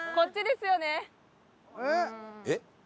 えっ？